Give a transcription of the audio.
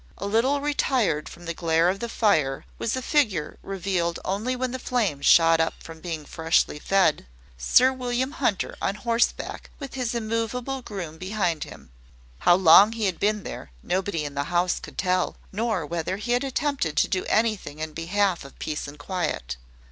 A little retired from the glare of the fire, was a figure, revealed only when the flame shot up from being freshly fed Sir William Hunter on horseback with his immovable groom behind him. How long he had been there, nobody in the house could tell; nor whether he had attempted to do anything in behalf of peace and quiet.